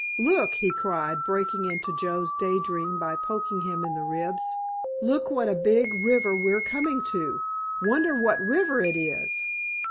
"Look," he cried, breaking into Joe's day dream by poking him in the ribs, "look what a big river we're coming to! Wonder what river it is?"